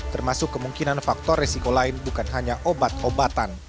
termasuk kemungkinan faktor resiko lain bukan hanya obat obatan